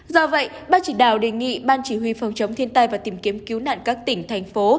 do vậy ban chỉ đạo đề nghị ban chỉ huy phòng chống thiên tai và tìm kiếm cứu nạn các tỉnh thành phố